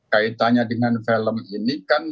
kaitannya dengan film ini kan